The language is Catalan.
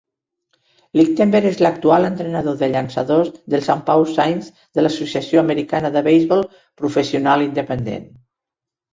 Ligtenberg és l'actual entrenador de llançadors dels Saint Paul Saints de l'Associació Americana de Beisbol Professional Independent.